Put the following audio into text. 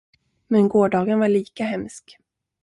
Men gårdagen var lika hemsk.